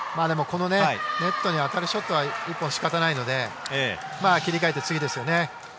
ネットに当たるショットは、仕方がないので切り替えて、次ですよね。